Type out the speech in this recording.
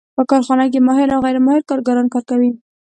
په کارخانه کې ماهر او غیر ماهر کارګران کار کوي